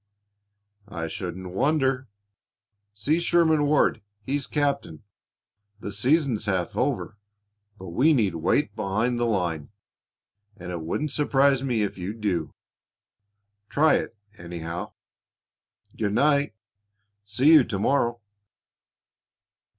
"I shouldn't wonder. See Sherman Ward; he's captain. The season's half over, but we need weight behind the line, and it wouldn't surprise me if you'd do. Try it, anyhow. Good night; see you to morrow."